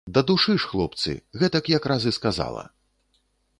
Дадушы ж, хлопцы, гэтак якраз і сказала.